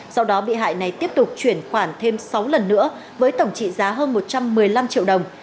sau đó bị hại này tiếp tục chuyển khoản thêm sáu lần nữa với tổng trị giá hơn một trăm một mươi năm triệu đồng